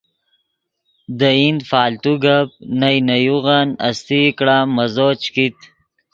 دے ایند فالتو گپ نئے نے یوغن استئی کڑا مزو چے کیت